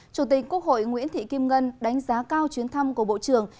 chủ tịch quốc hội nguyễn thị kim ngân đánh giá cao chuyến thăm của bộ trưởng